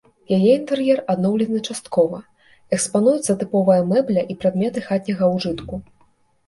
Яе інтэр'ер адноўлены часткова, экспануюцца тыповая мэбля і прадметы хатняга ўжытку.